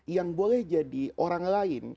yang boleh jadi orang lain